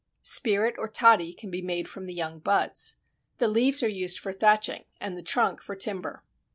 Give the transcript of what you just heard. Spirit or toddy can be made from the young buds. The leaves are used for thatching and the trunk for timber.